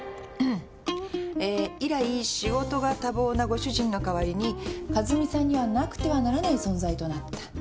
えー以来仕事が多忙なご主人の代わりに和美さんにはなくてはならない存在となった。